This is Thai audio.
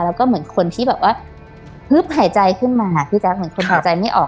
แล้วก็เหมือนคนที่แบบว่าฮึบหายใจขึ้นมาพี่แจ๊คเหมือนคนหายใจไม่ออก